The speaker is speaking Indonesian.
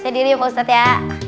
saya diri ya pak ustadz ya